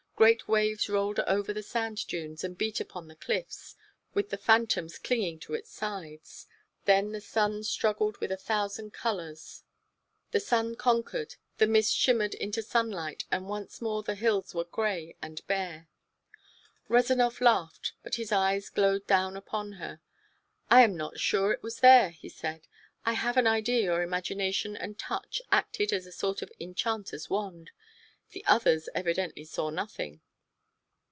Great waves rolled over the sand dunes and beat upon the cliffs with the phantoms clinging to its sides. Then the sun struggled with a thousand colors. The sun conquered, the mist shimmered into sunlight, and once more the hills were gray and bare. Rezanov laughed, but his eyes glowed down upon her. "I am not sure it was there," he said. "I have an idea your imagination and touch acted as a sort of enchanter's wand. The others evidently saw nothing."